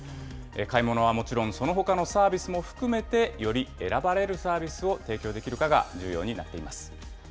買い物はもちろん、そのほかのサービスも含めて、より選ばれるサービスを提供できるかが重要になっています。